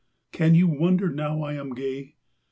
Can you wonder now I am gay?